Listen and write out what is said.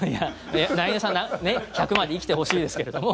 いや柳澤さん、１００まで生きてほしいですけれども！